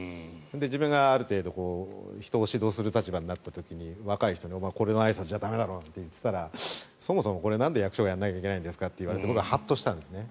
自分がある程度人を指導する立場になった時に若い人にお前、これのあいさつじゃ駄目だろって言ってたらそもそもこれなんで役所がやらなくちゃいけないんですかと言って僕はハッとしたんですね。